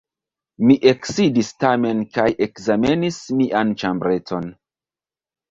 Mi eksidis tamen kaj ekzamenis mian ĉambreton.